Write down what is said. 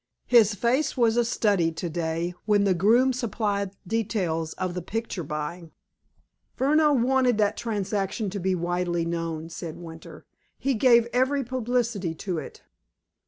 "His face was a study to day when the groom supplied details of the picture buying." "Furneaux wanted that transaction to be widely known," said Winter. "He gave every publicity to it."